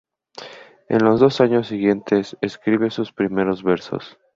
En los dos años siguientes escribe sus primeros versos.